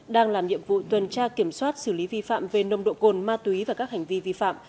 đang làm nhiệm vụ tuần tra kiểm soát xử lý vi phạm về nông độ cồn ma túy và các hành vi vi phạm